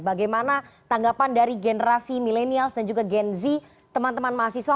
bagaimana tanggapan dari generasi milenials dan juga gen z teman teman mahasiswa